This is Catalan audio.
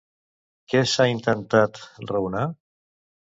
Què s'ha intentat raonar?